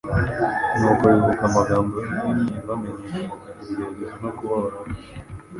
Nuko bibuka amagambo y'ubwini yabamenyeshaga ibigeragezo no kubabara kwe,